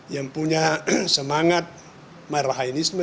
yang punya semangat merahainisme